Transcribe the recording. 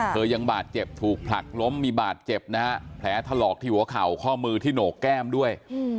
ยังบาดเจ็บถูกผลักล้มมีบาดเจ็บนะฮะแผลถลอกที่หัวเข่าข้อมือที่โหนกแก้มด้วย